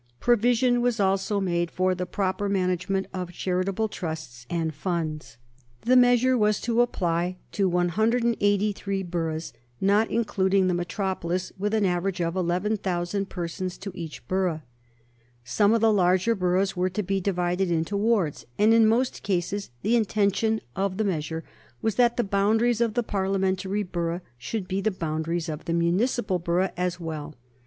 Provision was also made for the proper management of charitable trusts and funds. [Sidenote: 1835 The Municipal Reform Bill] The measure was to apply to 183 boroughs, not including the metropolis, with an average of 11,000 persons to each borough. Some of the larger boroughs were to be divided into wards, and in most cases the intention of the measure was that the boundaries of the Parliamentary borough should be the boundaries of the municipal borough as well.